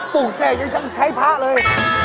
ปลูกแทรกยังใช้พระเลย